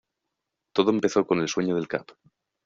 Todo empezó con el sueño del Cap.